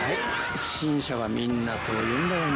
不審者はみんなそう言うんだよね。